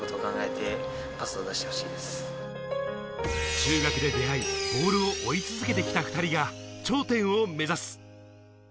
中学で出会い、ボールを追い続けてきた２人が頂点を目指す。